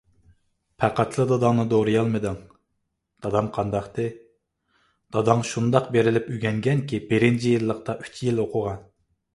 _ پەقەتلا داداڭنى دورىيالمىدىڭ؟ _ دادام قانداقتى؟ _ داداڭ شۇنداق بېرىلىپ ئۆگەنگەنكى، بىرىنچى يىللىقتا ئۈچ يىل ئوقۇغان.